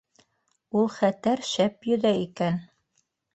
Ул хәтәр шәп йөҙә икән!